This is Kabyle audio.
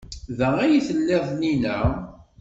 Da ay tellid llinna?